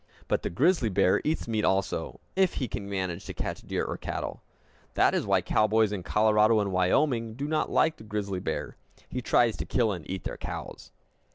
But the grizzly bear eats meat also, if he can manage to catch deer or cattle. That is why cowboys in Colorado and Wyoming do not like the grizzly bear he tries to kill and eat their cows.